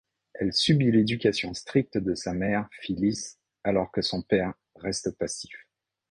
Elle subit l'éducation stricte de sa mère, Phyllis, alors que son père reste passif.